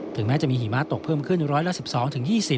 แม้จะมีหิมะตกเพิ่มขึ้นร้อยละ๑๒๒๐